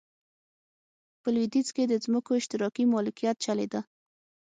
په لوېدیځ کې د ځمکو اشتراکي مالکیت چلېده.